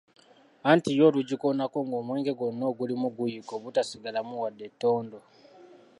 Anti yo olugikoonako ng'omwenge gwonna ogulimu guyiika obutasigalamu wadde ettondo!